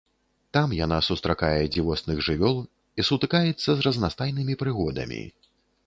Там яна сустракае дзівосных жывёл і сутыкаецца з разнастайнымі прыгодамі.